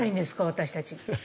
私たち。